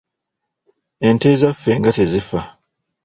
Ente ezaffe nga tezifa.